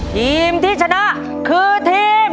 ทีมที่ชนะคือทีม